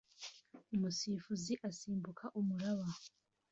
Umusifuzi asimbuka umuraba